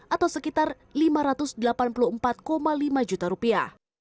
atau sekitar lima ratus delapan puluh empat lima juta rupiah